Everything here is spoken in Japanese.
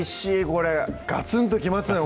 これガツンときますね